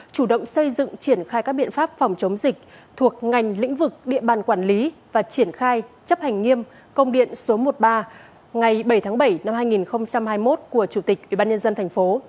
chủ động xây dựng triển khai các biện pháp phòng chống dịch thuộc ngành lĩnh vực địa bàn quản lý và triển khai chấp hành nghiêm công điện số một mươi ba ngày bảy tháng bảy năm hai nghìn hai mươi một của chủ tịch ủy ban nhân dân thành phố